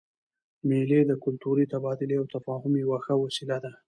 مېلې د کلتوري تبادلې او تفاهم یوه ښه وسیله ده.